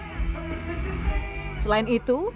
selain itu incubus juga menangkap penyelamat